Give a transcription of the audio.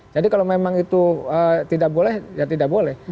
jadi kalau memang itu tidak boleh ya tidak boleh